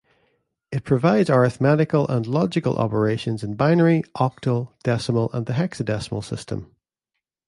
It provides arithmetical and logical operations in binary, octal, decimal and hexadecimal system.